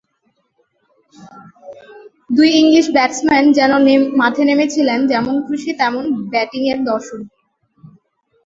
দুই English batsman যেন মাঠে নেমেছিলেন যেমন খুশি তেমন ব্যাটিংয়ের দর্শন নিয়ে।